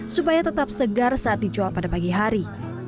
supaya tetap segar saat dijual pada pagi hari